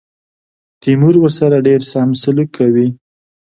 تیمور ورسره ډېر سم سلوک کوي.